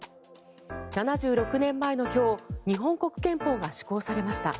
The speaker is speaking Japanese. ７６年前の今日日本国憲法が施行されました。